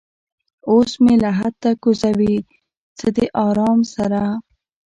اوس مې لحد ته کوزوي څه د ارامه سره